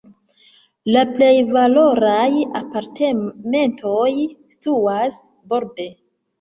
La plej valoraj apartamentoj situas borde.